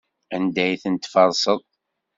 Anda ay tent-tferseḍ?